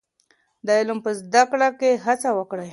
د علم په زده کړه کي هڅه وکړئ.